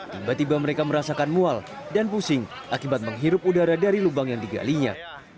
tiba tiba mereka merasakan mual dan pusing akibat menghirup udara dari lubang yang digalinya